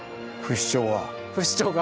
不死鳥が。